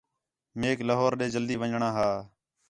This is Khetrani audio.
میک لاہور ݙے جلدی ون٘ڄݨاں ہا